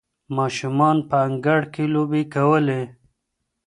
ماشومان په انګړ کې لوبې کولې.